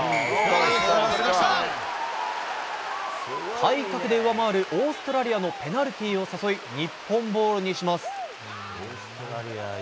体格で上回るオーストラリアのペナルティーを誘い日本ボールにします。